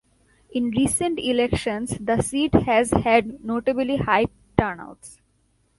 In recent elections, the seat has had notably high turnouts.